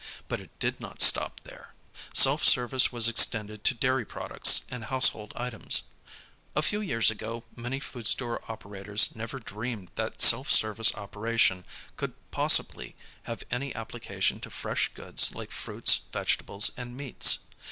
But it did not stop there. Self service was extended to dairy products and household items. A few years ago many food store operators never dreamed that self service operation could possibly have any application to fresh goods like fruits, vegetables, and meats.